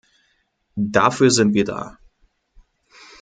Dafür sind wir da.